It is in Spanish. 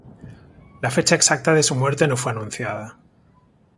La fecha exacta de su muerte no fue anunciada.